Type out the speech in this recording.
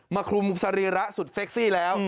คลุมสรีระสุดเซ็กซี่แล้ว